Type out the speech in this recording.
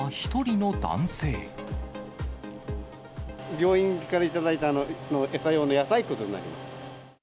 病院から頂いた餌用の野菜くずになります。